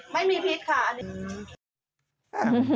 แล้วก็คือแต่ไม่มีพิษไม่มีพิษค่ะ